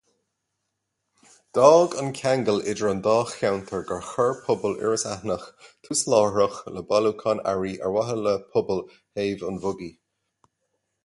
D'fhág an ceangal idir an dá cheantar gur chuir pobal Iorras Aithneach tús láithreach le bailiúchán earraí ar mhaithe le pobal Thaobh an Bhogaigh.